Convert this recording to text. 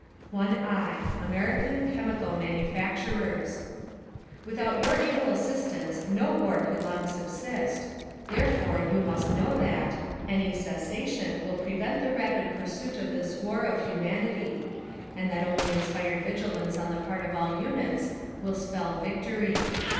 II. ( American ) Chemical — Manufacturers. Without your able assistance no war could long subsist ; therefore, you must know that : Any cessation will prevent the rapid pursuit of this war of humanity; and that only inspired vigilance on the part of all units will spell "victory."